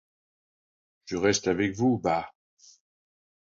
Je reste avec vous, bah!